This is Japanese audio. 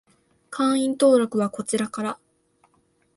会員登録はこちらから